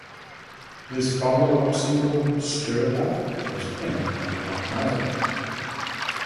His follow-up single "Stir It Up" was penned by Bob Marley.